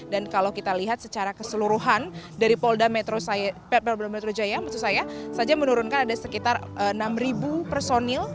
dan kalau kita lihat secara keseluruhan dari polda metro jaya menurunkan ada sekitar enam ribu personil